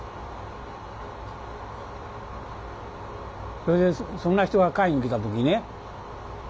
それでそんな人が買いに来た時ね